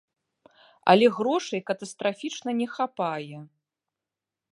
Але грошай катастрафічна не хапае.